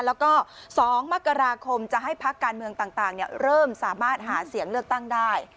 แล้วก็๒มกราคมจะให้พักการเมืองต่างเริ่มสามารถหาเสียงเลือกตั้งได้